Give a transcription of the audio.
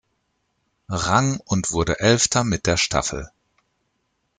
Rang und wurde Elfter mit der Staffel.